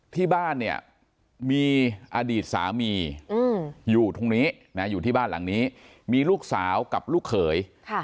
ที่บ้านเนี่ยมีอดีตสามีอยู่ตรงนี้นะอยู่ที่บ้านหลังนี้มีลูกสาวกับลูกเขย